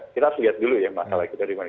kita harus lihat dulu ya masalah kita dimana